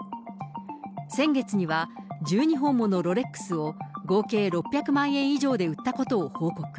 先月には１２本ものロレックスを合計６００万円以上で売ったことを報告。